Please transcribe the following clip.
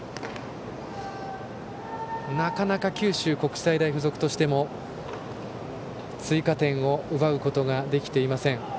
なかなか九州国際大付属としても追加点を奪えていません。